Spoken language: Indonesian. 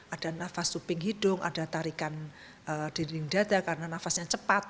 ada nafas suping hidung ada tarikan dinding data karena nafasnya cepat